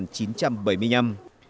chiếc điện thoại số một